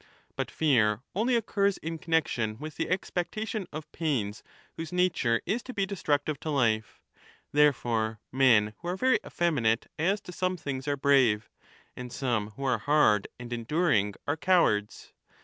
But fear only occurs in 40 connexion with the expectation of pains whose nature Js^to 1229^ be destructive to life. Therefore men who are very effemi nate aslb some things are brave, and some who are hard and enduring are cowards.